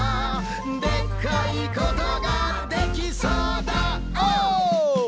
「でっかいことができそうだおー！」